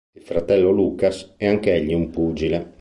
Il fratello Lucas è anch'egli un pugile.